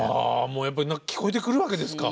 もうやっぱり聴こえてくるわけですか。